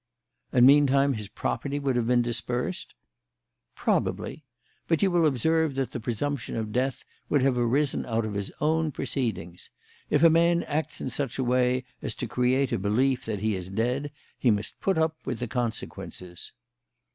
"And meantime his property would have been dispersed?" "Probably. But you will observe that the presumption of death would have arisen out of his own proceedings. If a man acts in such a way as to create a belief that he is dead, he must put up with the consequences."